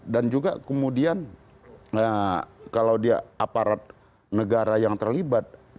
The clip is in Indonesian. dan juga kemudian kalau dia aparat negara yang terlibat